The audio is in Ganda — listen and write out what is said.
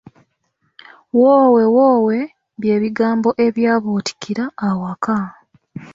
Woowe woowe bye bigambo ebyabuutikira awaka.